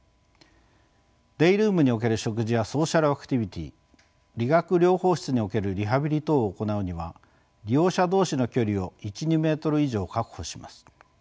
デイルームにおける食事やソーシャルアクティビティー理学療法室におけるリハビリ等を行うには利用者同士の距離を１２メートル以上確保します。